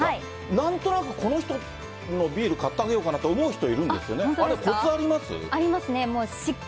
なんとなく、この人のビール買ってあげようかなって思う人いるん本当ですか？